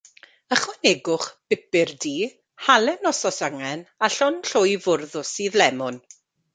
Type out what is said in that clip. Ychwanegwch bupur du, halen os oes angen, a llond llwy fwrdd o sudd lemwn.